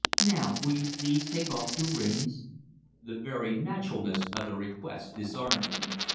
Now, will you please take off your rings?" The very naturalness of the request disarmed him.